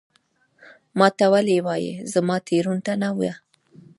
ما ته ولي وایې ؟ زما تېروتنه نه وه